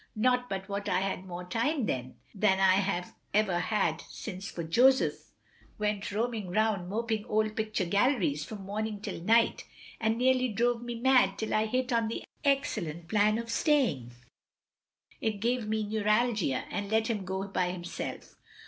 Not but what I had more time then than I have ever had since, for Joseph went roaming round moping old picture galleries from morning till night, and nearly drove me mad till I hit on the excellent plan of saying it gave me neuralgia, and let him go by himself.